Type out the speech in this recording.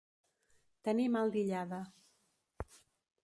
Tenir mal d'illada.